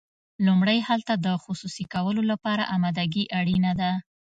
لومړی هلته د خصوصي کولو لپاره امادګي اړینه ده.